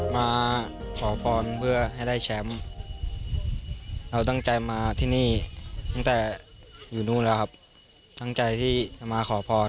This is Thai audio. มาขอพรเพื่อให้ได้แชมป์เราตั้งใจมาที่นี่ตั้งแต่อยู่นู่นแล้วครับตั้งใจที่จะมาขอพร